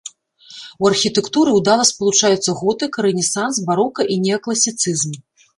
У архітэктуры ўдала спалучаюцца готыка, рэнесанс, барока і неакласіцызм.